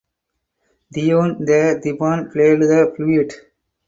Theon the Theban played the flute.